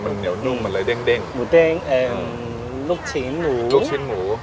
มันเหนียวนุ่มมันเลยเด้งหมูเด้งลูกชิ้นหมูลูกชิ้นหมู